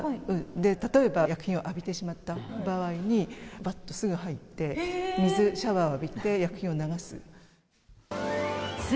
で、例えば、薬品を浴びてしまった場合に、ばっとすぐ入って、水、シャワーを浴びて、薬品を流す。